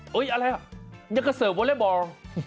เฮ้ยอะไรอ่ะยังก็เสิร์ฟวอลเลบอล